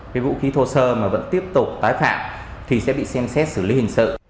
cái vũ khí thô sơ mà vẫn tiếp tục tái phạm thì sẽ bị xem xét xử lý hình sự